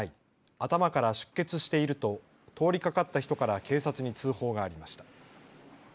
頭から出血していると通りかかった人から警察に通報がありました。